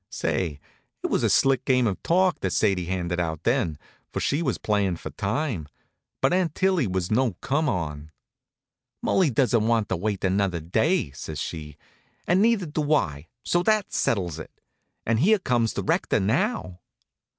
Say, it was a slick game of talk that Sadie handed out then, for she was playin' for time. But Aunt Tillie was no come on. "Mulli doesn't want to wait another day," says she, "and neither do I, so that settles it. And here comes the rector, now."